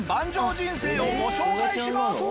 人生をご紹介します！